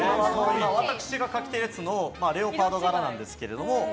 私がかけてるやつのレオパード柄なんですけど。